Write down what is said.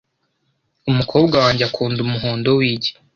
Umukobwa wanjye akunda umuhondo w'igi .